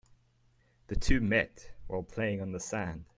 The two met while playing on the sand.